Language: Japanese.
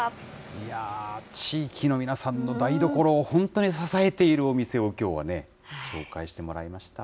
いやぁ、地域の皆さんの台所を本当に支えているお店をきょうはね、紹介してもらいました。